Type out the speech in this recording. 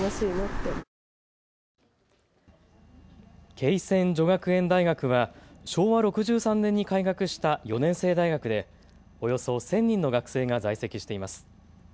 恵泉女学園大学は昭和６３年に開学した４年制大学でおよそ１０００人の学生が在籍しています。